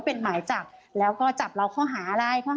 เป็นตำรวจพูดซะเป็นส่วนใหญ่หรือว่าเป็นผู้ชายที่มาทีหลังค่ะ